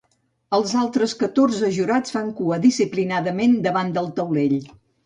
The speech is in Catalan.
Els altres catorze jurats fan cua disciplinadament davant del taulell.